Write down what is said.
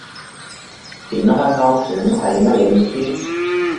展開勾選係乜嘢意思